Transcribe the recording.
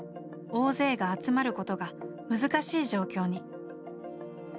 大勢が集まることが難しい状況に。